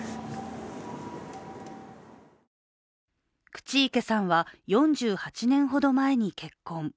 口池さんは４８年ほど前に結婚。